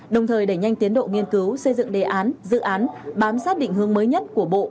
đồng thời đẩy nhanh tiến độ nghiên cứu xây dựng đề án dự án bám sát định hướng mới nhất của bộ